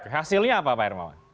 hasilnya apa pak hermawan